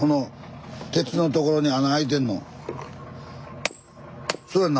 鉄のところに穴開いてんの。